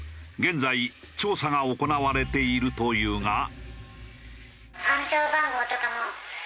現在調査が行われているというが。